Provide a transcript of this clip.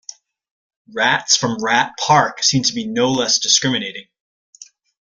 Rats from Rat Park seem to be no less discriminating.